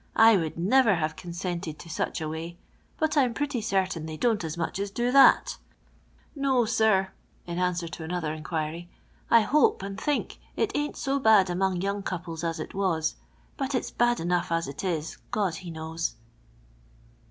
/ would never have consented to such a way, but I'm pretty certain they don't as much as do that No, sir," (in answer to another inquiry), " I hope, and think, it ain't so bad among young couples as it was, but iu bad enough as it is, God he knows."